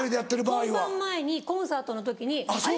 本番前にコンサートの時にあれ？